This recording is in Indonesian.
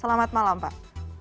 selamat malam pak